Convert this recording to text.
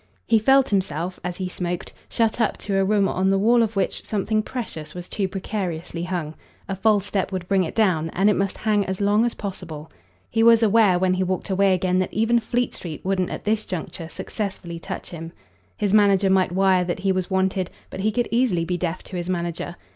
He felt himself as he smoked shut up to a room on the wall of which something precious was too precariously hung. A false step would bring it down, and it must hang as long as possible. He was aware when he walked away again that even Fleet Street wouldn't at this juncture successfully touch him. His manager might wire that he was wanted, but he could easily be deaf to his manager.